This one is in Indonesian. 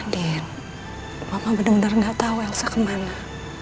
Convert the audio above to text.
din mama bener bener hetapa where elsa pada